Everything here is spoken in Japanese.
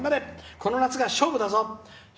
この夏が勝負だぞ！